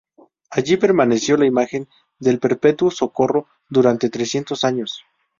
Allí permaneció la imagen del Perpetuo Socorro durante trescientos años.